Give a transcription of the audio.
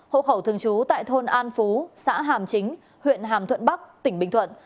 hộ khẩu thường trú tại thôn an phú xã hàm chính huyện hàm thuận bắc tỉnh bình thuận